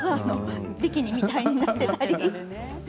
ビキニみたいになっていたり。